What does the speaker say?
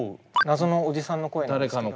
謎のおじさんの声なんですけど。